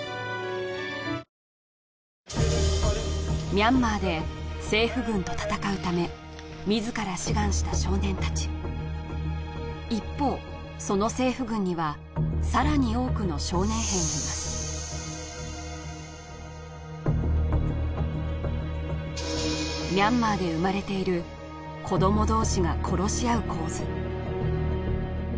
ミャンマーで政府軍と戦うため自ら志願した少年たち一方その政府軍にはさらに多くの少年兵がいますミャンマーで生まれている子ども同士が殺し合う構図